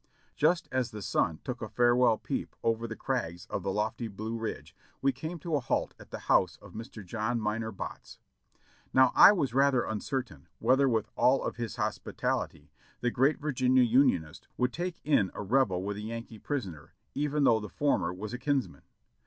Just as the sun took a farewell peep over the crags of the lofty Blue Ridge we came to a halt at the house of Mr. John Minor Botts. Now I was rather uncertain, whether with all of his hospitality the great Virginia Unionist would take in a Rebel with a Yankee prisoner, even though the former was a kinsman.